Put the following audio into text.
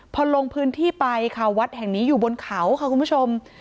พอลงพื้นที่ไปค่ะวัดแห่งนี้อยู่บนเขาค่ะคุณผู้ชม